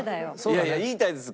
いやいや言いたいです。